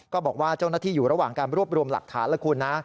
บอกว่าเจ้าหน้าที่อยู่ระหว่างการรวบรวมหลักฐานแล้วคุณนะ